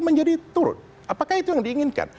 menjadi turun apakah itu yang diinginkan